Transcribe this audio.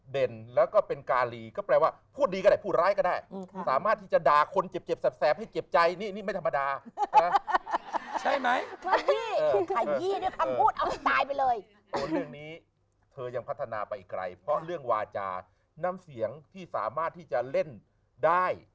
ตัวเรื่องนี้เธอยังพัฒนาไปไกลเพราะเรื่องวาจานำเสียงที่สามารถที่จะเล่นได้